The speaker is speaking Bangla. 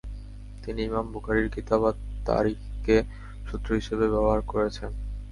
তিনি ইমাম বুখারীর কিতাব আত-তারিখকে সূত্র হিসেবে ব্যবহার করেছেন।